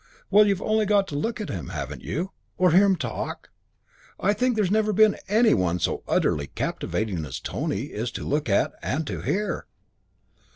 Well, you've only got to look at him, haven't you? Or hear him talk? I think there's never been any one so utterly captivating as Tony is to look at and to hear."